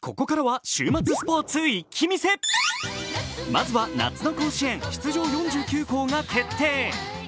まずは夏の甲子園、出場４９校が決定。